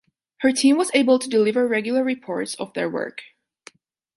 Her team was able to deliver regular reports of their work.